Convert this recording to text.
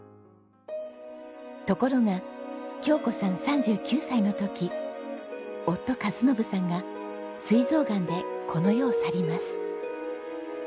ところが京子さん３９歳の時夫和信さんが膵臓がんでこの世を去ります。